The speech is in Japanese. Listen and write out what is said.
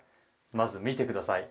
まず、見てください。